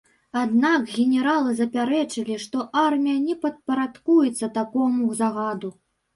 Аднак генералы запярэчылі, што армія не падпарадкуецца такому загаду.